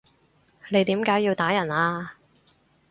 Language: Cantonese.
你點解要打人啊？